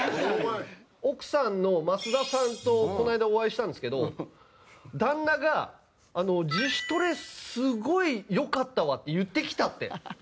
奥さんの枡田さんとこの間お会いしたんですけど旦那が「自主トレすごい良かったわ」って言ってきたって。